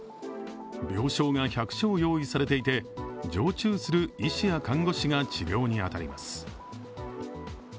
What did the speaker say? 病床が１００床用意されていて、常駐する医師や看護師が治療に当たります。